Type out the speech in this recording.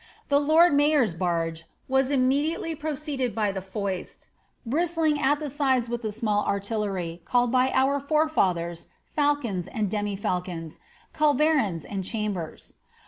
The 's barge was immediately preceded by the foist, bristling at ith the small artillery call^ by our forefathers falcons and a, eulverins and chambers.